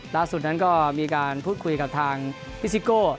ล่าสุดนั้นก็มีการพูดคุยกับทางพี่ซิโก้